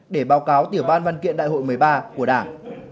để báo cáo tiểu ban văn kiện đại hội một mươi ba của đảng